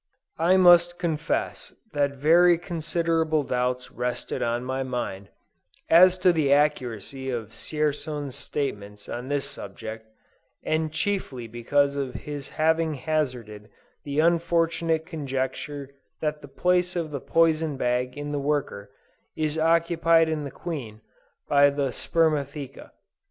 I must confess that very considerable doubts rested on my mind, as to the accuracy of Dzierzon's statements on this subject, and chiefly because of his having hazarded the unfortunate conjecture that the place of the poison bag in the worker, is occupied in the Queen, by the spermatheca.